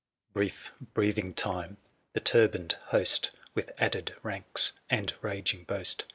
Brief breathing time ! the turbaned host. With added ranks and raging boast.